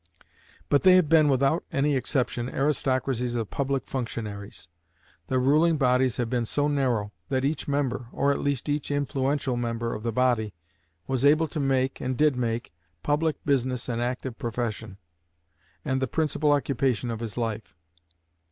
But they have been, without any exception, aristocracies of public functionaries. The ruling bodies have been so narrow, that each member, or at least each influential member of the body, was able to make, and did make, public business an active profession, and the principal occupation of his life.